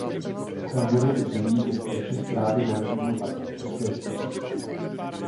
Chráněné území je v péči Správy Národního parku České Švýcarsko.